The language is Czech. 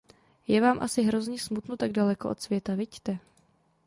Je vám asi hrozně smutno tak daleko od světa, viďte?